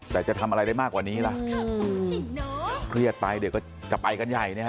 แต่จะทำอะไรได้มากกว่านี้ล่ะเครียดไปเดี๋ยวก็จะไปกันใหญ่นะฮะ